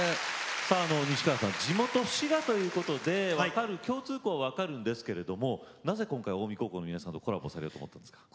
西川さん、地元滋賀ということで共通項は分かるんですけれどなぜ今回、近江高校の皆さんとコラボすることになったんですか。